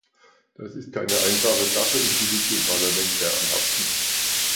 Das ist keine einfache Sache, und sie liegt dem Parlament sehr am Herzen.